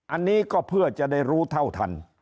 อันนี้ก็เพื่อจะได้รู้เท่าทัน